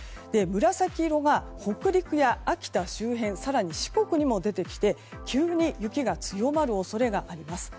紫色が北陸や秋田周辺更に四国にも出てきて急に雪が強まる恐れがあります。